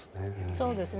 そうですね。